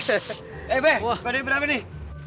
eh be kode berapa nih